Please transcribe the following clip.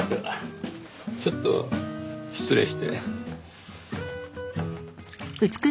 ちょっと失礼して。